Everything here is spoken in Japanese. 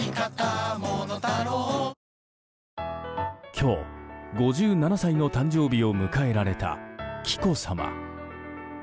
今日、５７歳の誕生日を迎えられた紀子さま。